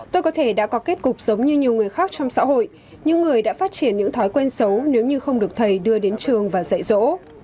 tôi có thể đã có kết cục giống như nhiều người khác trong xã hội nhưng người đã phát triển những thói quen xấu nếu như không được thầy đưa đến trường và dạy dỗ